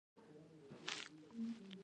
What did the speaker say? بادام د افغانستان د طبعي سیسټم توازن ساتي.